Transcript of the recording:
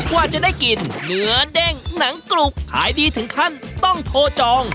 ว่าจะได้กินเนื้อเด้งหนังกรุบขายดีถึงขั้นต้องโทรจอง